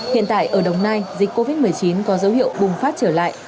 hiện tại ở đồng nai dịch covid một mươi chín có dấu hiệu bùng phát trở lại